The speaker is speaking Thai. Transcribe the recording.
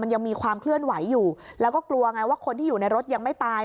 ยังมีความเคลื่อนไหวอยู่แล้วก็กลัวไงว่าคนที่อยู่ในรถยังไม่ตาย